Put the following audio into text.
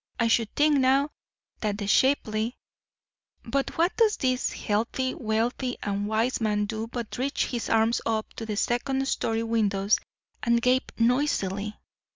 I should think, now, that the Shapely—' "But what does this healthy, wealthy, and wise man do but reach his arms up to the second story windows and gape noisily.